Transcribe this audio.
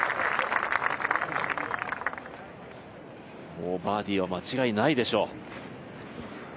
もうバーディーは間違いないでしょう。